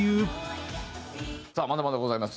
さあまだまだございます。